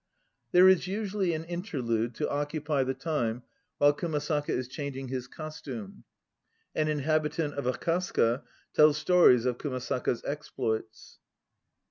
(There is usually an interlude to occupy the time while Kumasaka is changing his costume. An inhabitant of Akasaka tells stories of Kumasaka' s exploits.)